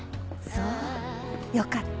そうよかった。